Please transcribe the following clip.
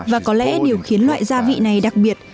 và có lẽ điều khiến loại gia vị này đặc biệt